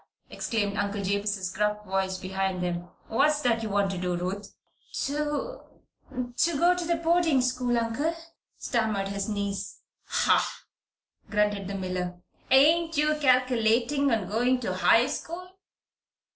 exclaimed Uncle Jabez's gruff voice behind them. "What's that you want to do, Ruth?" "To to go to boarding school, Uncle," stammered his niece. "Hah!" grunted the miller. "Ain't you calculatin' on going to high school?"